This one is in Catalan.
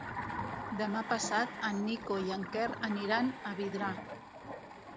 Demà passat en Nico i en Quer aniran a Vidrà.